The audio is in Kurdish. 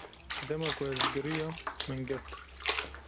Dema ku ez giriyam min girt.